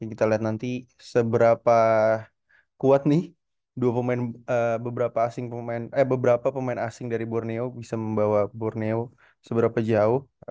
kita lihat nanti seberapa kuat nih dua pemain beberapa asing pemain eh beberapa pemain asing dari borneo bisa membawa borneo seberapa jauh